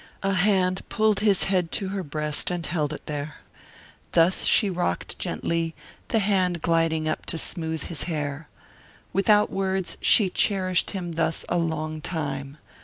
A hand pulled his head to her breast and held it there. Thus she rocked gently, the hand gliding up to smooth his hair. Without words she cherished him thus a long time.